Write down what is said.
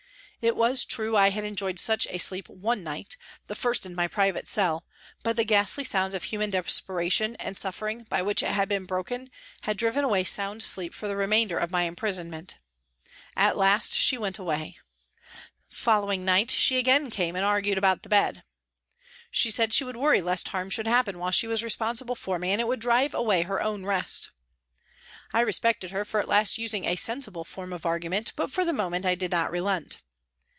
It was true I had enjoyed such a sleep one night, the first in my private cell, but the ghastly sounds of human desperation and suffering by which it had been broken had driven away sound sleep for the remainder of my imprison ment. At last she went away. The following night she again came and argued about the bed. M 2 164 PRISONS AND PRISONERS She said she would worry lest harm should happen while she was responsible for me and it would drive away her own rest. I respected her for at last using a sensible form of argument, but for the moment I did not relent.